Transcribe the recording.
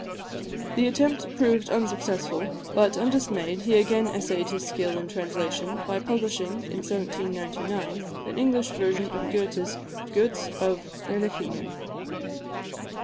The attempt proved unsuccessful; but, undismayed, he again essayed his skill in translation by publishing, in 1799, an English version of Goëthe's "Goetz of Berlichingen."